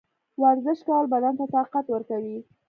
ورزش کول بدن ته طاقت ورکوي.